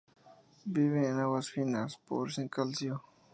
Vive en aguas finas, pobres en calcio.